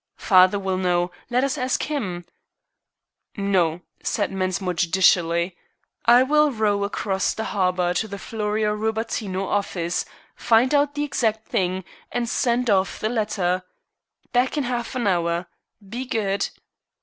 "Father will know. Let us ask him." "No," said Mensmore judicially, "I will row across the harbor to the Florio Rubattino office, find out the exact thing, and send off the letter. Back in half an hour. Be good!"